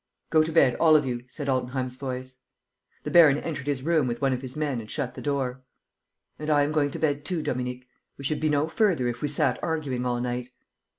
"Go to bed, all of you," said Altenheim's voice. The baron entered his room with one of his men and shut the door: "And I am going to bed, too, Dominique. We should be no further if we sat arguing all night."